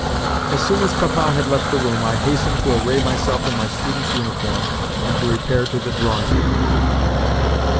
As soon as Papa had left the room, I hastened to array myself in my student's uniform, and to repair to the drawing room.